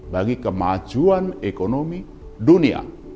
bagi kemajuan ekonomi dunia